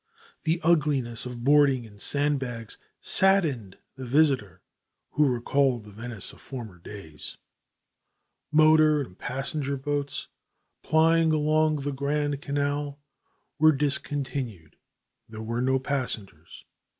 The ugliness of boarding and sandbags saddened the visitor who recalled the Venice of former days. Motor and passenger boats plying along the Grand Canal were discontinued; there were no passengers.